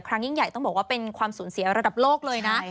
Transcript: ยิ่งใหญ่ต้องบอกว่าเป็นความสูญเสียระดับโลกเลยนะ